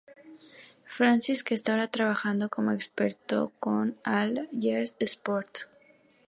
Francis está ahora trabajando como experto con Al Jazeera Sports.